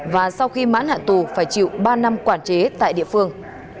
và sau khi mãn hạn tù phải chịu ba năm quản chế tại địa phương